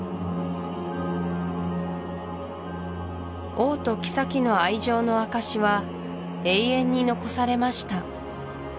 王と妃の愛情の証しは永遠に残されました